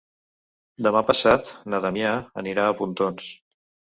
Demà passat na Damià anirà a Pontons.